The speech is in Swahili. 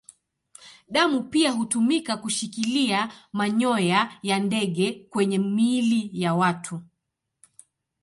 Damu pia hutumika kushikilia manyoya ya ndege kwenye miili ya watu.